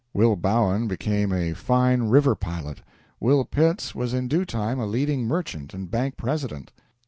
Will Bowen became a fine river pilot. Will Pitts was in due time a leading merchant and bank president.